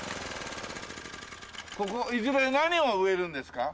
ここいずれ何を植えるんですか？